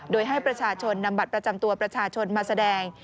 โดยให้ประชาชนนำบัตรประจำตัวประชาชนมาแสดง